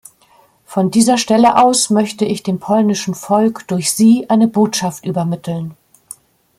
Von dieser Stelle aus möchte ich dem polnischen Volk durch Sie eine Botschaft übermitteln.